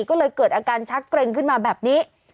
ก็เลยเกิดอาการชักเกร็งขึ้นมาแบบนี้